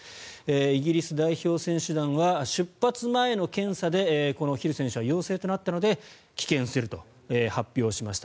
イギリス代表選手団は出発前の検査でこのヒル選手は陽性となったので棄権すると発表しました。